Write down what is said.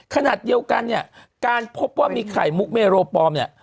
ขณะเดียวกันเนี่ยการพบว่ามีไข่มุกเมโรปลอมเนี่ย